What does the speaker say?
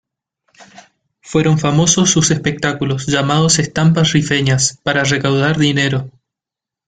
Fueron famosos sus espectáculos, llamados Estampas Rifeñas, para recaudar dinero.